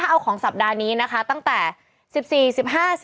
เป็นการกระตุ้นการไหลเวียนของเลือด